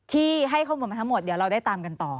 ที่ให้ข้อมูลมาทั้งหมดเดี๋ยวเราได้ตามกันต่อ